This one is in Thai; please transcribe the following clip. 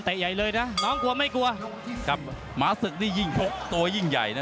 ตัวยิ่งใหญ่นะทั้งเค็ด